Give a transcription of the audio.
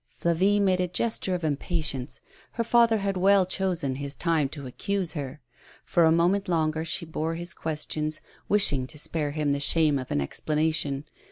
Flavie made a gesture of impatience. Her father had well chosen his time to accuse her! For a moment longer she bore his questions, wishing to spare him the shame of an explanation.